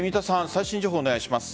最新情報お願いします。